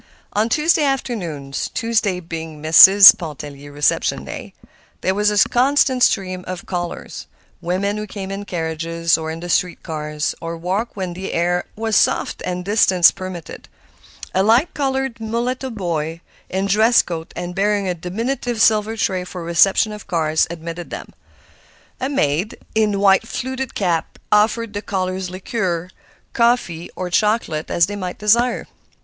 On Tuesday afternoons—Tuesday being Mrs. Pontellier's reception day—there was a constant stream of callers—women who came in carriages or in the street cars, or walked when the air was soft and distance permitted. A light colored mulatto boy, in dress coat and bearing a diminutive silver tray for the reception of cards, admitted them. A maid, in white fluted cap, offered the callers liqueur, coffee, or chocolate, as they might desire.